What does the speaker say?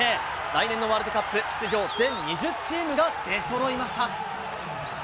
来年のワールドカップ、出場全２０チームが出そろいました。